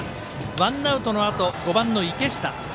ワンアウトのあと、５番の池下。